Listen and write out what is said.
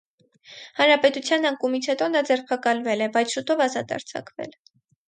Հանրապետության անկումից հետո նա ձերբակալվել է, բայց շուտով ազատ արձակվել։